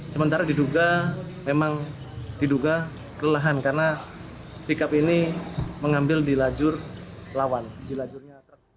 sementara diduga memang diduga kelelahan karena pickup ini mengambil di lajur lawan di lajurnya